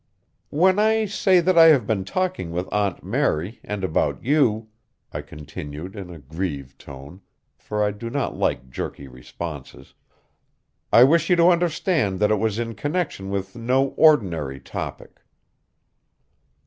"When I say that I have been talking with Aunt Mary, and about you," I continued in a grieved tone, for I do not like jerky responses, "I wish you to understand that it was in connection with no ordinary topic.